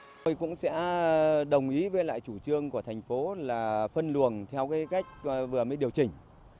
chúng tôi cũng sẽ đồng ý với lại chủ trương của thành phố là phân luồng theo cái cách vừa mới điều chỉnh